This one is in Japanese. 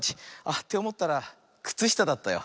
っておもったらくつしただったよ。